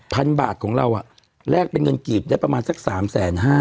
พันบาทของเราแลกเป็นเงินกีบได้ประมาณสัก๓๕๐๐